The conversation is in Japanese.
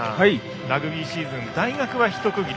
ラグビーシーズン大学は一区切り。